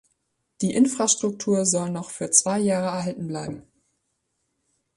Die Infrastruktur soll noch für zwei Jahre erhalten bleiben.